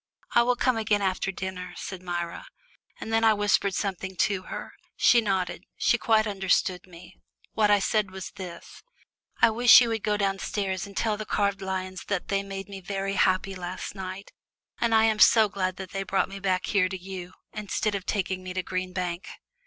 "I will come again after dinner," said Myra, and then I whispered something to her. She nodded; she quite understood me. What I said was this: "I wish you would go downstairs and tell the carved lions that they made me very happy last night, and I am so glad they brought me back here to you, instead of taking me to Green Bank."